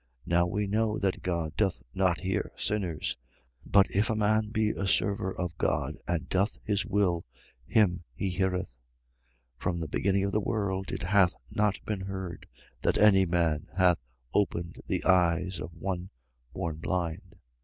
9:31. Now we know that God doth not hear sinners: but if a man be a server of God and doth his, will, him he heareth. 9:32. From the beginning of the world it hath not been heard, that any man hath opened the eyes of one born blind.